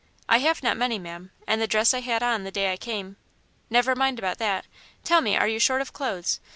"I have not many, ma'am, and the dress I had on the day I came " "Never mind about that. Tell me, are you short of clothes?